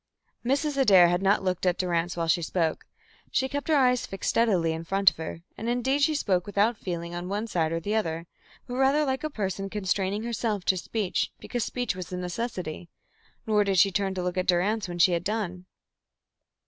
Mrs. Adair had not looked at Durrance while she spoke. She kept her eyes fixed steadily in front of her, and indeed she spoke without feeling on one side or the other, but rather like a person constraining herself to speech because speech was a necessity. Nor did she turn to look at Durrance when she had done.